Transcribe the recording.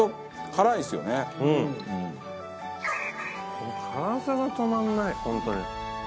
この辛さが止まらない本当に。